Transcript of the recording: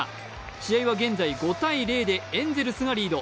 試合は現在、５−０でエンゼルスがリード。